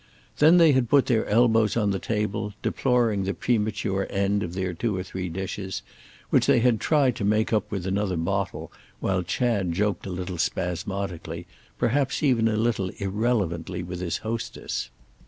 They then had put their elbows on the table, deploring the premature end of their two or three dishes; which they had tried to make up with another bottle while Chad joked a little spasmodically, perhaps even a little irrelevantly, with the hostess.